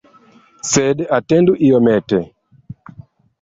Sed atendu iomete!